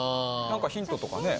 何かヒントとかね。